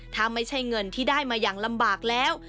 ถ้าไม่ใช่เงินที่ได้มาอย่างลำบากแล้ว